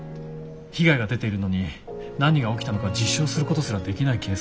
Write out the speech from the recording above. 被害が出ているのに何が起きたのか実証することすらできないケースもあります。